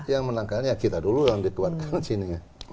yang menangkalnya kita dulu yang dituarkan di sini